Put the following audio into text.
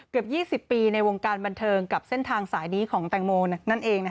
เกือบ๒๐ปีในวงการบันเทิงกับเส้นทางสายนี้ของแตงโมนั่นเอง